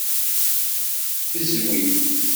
Ffezwi.